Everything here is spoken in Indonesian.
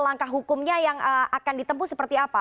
langkah hukumnya yang akan ditempu seperti apa